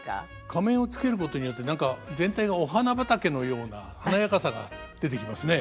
仮面をつけることによって何か全体がお花畑のような華やかさが出てきますね。